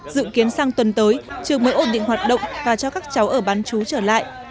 dự kiến sang tuần tới trường mới ổn định hoạt động và cho các cháu ở bán chú trở lại